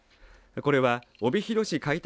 これは帯広市開拓